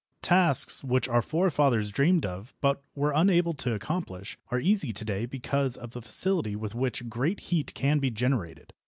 Tasks which our forefathers dreamed of, but were unable to accomplish, are easy to day because of the facility with which great heat can be generated.